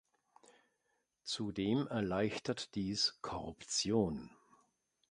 Zudem erleichtert dies Korruption.